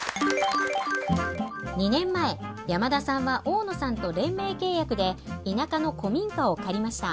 ２年前山田さんは大野さんと連名契約で田舎の古民家を借りました。